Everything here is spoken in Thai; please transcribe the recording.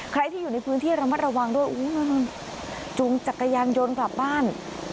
ใครที่อยู่ในพื้นที่ระมัดระวังด้วยจุงจักรยานยนต์กลับบ้าน